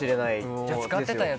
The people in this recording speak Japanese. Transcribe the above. じゃあ使ってたやつ？